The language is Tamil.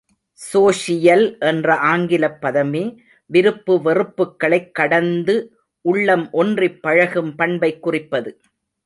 சோஷியல் என்ற ஆங்கிலப் பதமே விருப்பு வெறுப்புக்களைக் கடந்து உள்ளம் ஒன்றிப் பழகும் பண்பைக் குறிப்பது.